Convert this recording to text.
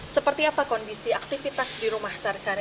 seperti apa kondisi aktivitas di rumah sehari hari